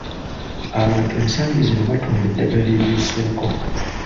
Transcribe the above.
Abantu ensangi zino batunda eddagala eriyiseeko.